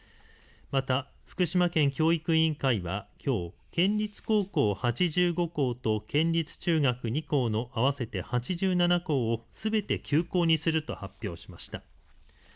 また福島県教育委員会はきょう、県立高校８５校と県立中学２校の合わせて８７校をすべて休校にすると発表しました。